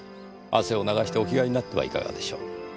汗を流してお着替えになってはいかがでしょう？